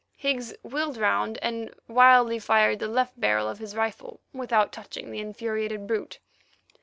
Higgs wheeled round, and wildly fired the left barrel of his rifle without touching the infuriated brute.